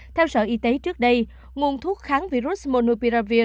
theo sở y tế trước đây nguồn thuốc kháng virus monopiravir